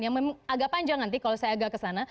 yang memang agak panjang nanti kalau saya agak kesana